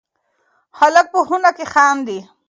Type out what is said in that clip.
هلک په خونه کې خاندي.